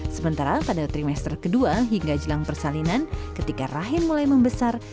sementara pada trimester kedua hingga jelang persalinan ketika rahim mulai membesar